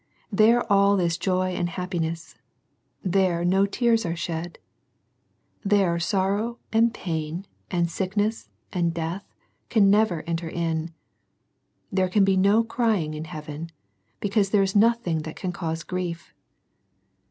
There all is joy and happiness. There no tears are shed. There sorrow and pain and sickness and death can never enter in. There can be no crying in heaven, because there is nothing that can cause grief.